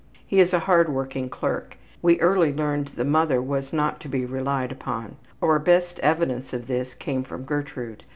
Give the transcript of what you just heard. He is a hard working clerk. We early learned the mother was not to be relied upon. Our best evidence of this came from Gertrude.